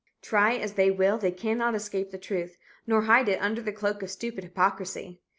Try as they will they cannot escape the truth, nor hide it under the cloak of stupid hypocrisy.